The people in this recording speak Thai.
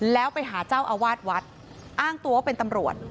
แล้วไปหาเจ้าอาวาสวัดอ้างตัวว่าเป็นตำรวจ